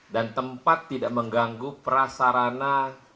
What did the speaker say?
dan tempat tidak mengganggu prasarana